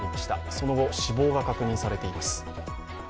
その後、死亡が確認されています。